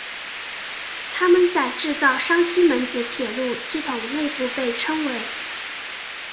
它们在制造商西门子铁路系统内部被称为。